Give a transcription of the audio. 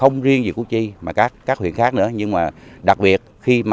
hồi năm ngoái